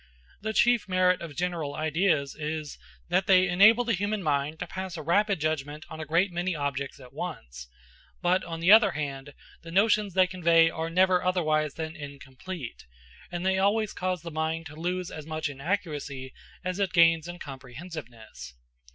The chief merit of general ideas is, that they enable the human mind to pass a rapid judgment on a great many objects at once; but, on the other hand, the notions they convey are never otherwise than incomplete, and they always cause the mind to lose as much in accuracy as it gains in comprehensiveness.